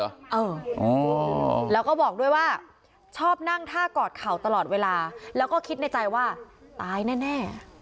เออแล้วก็บอกด้วยว่าชอบนั่งท่ากอดเข่าตลอดเวลาแล้วก็คิดในใจว่าตายแน่